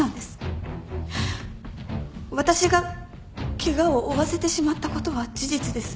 私がケガを負わせてしまったことは事実です。